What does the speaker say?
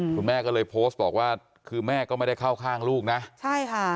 คุณแม่ก็เลยโพสต์บอกว่าคือแม่ก็ไม่ได้เข้าข้างลูกนะใช่ค่ะ